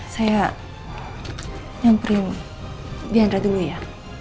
saya nyamperin diantar dulu ya